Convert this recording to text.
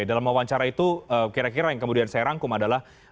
dalam wawancara itu kira kira yang kemudian saya rangkum adalah